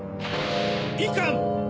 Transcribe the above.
いかん！